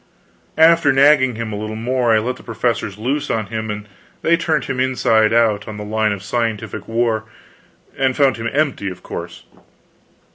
After nagging him a little more, I let the professors loose on him and they turned him inside out, on the line of scientific war, and found him empty, of course.